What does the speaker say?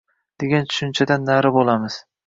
degan tushunchadan nari bo‘lamiz.